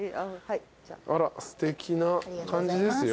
あらすてきな感じですよ。